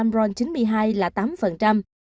thuế nhập khẩu gần một mươi